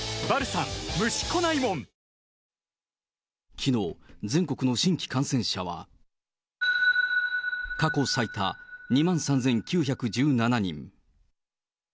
きのう、全国の新規感染者は、過去最多、２万３９１７人。